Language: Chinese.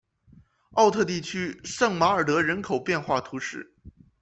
奥特地区圣马尔德人口变化图示